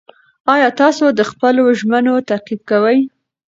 ایا تاسو د خپلو ژمنو تعقیب کوئ؟